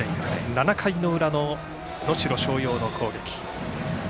７回の裏の能代松陽の攻撃。